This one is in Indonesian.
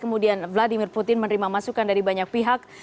kemudian vladimir putin menerima masukan dari banyak pihak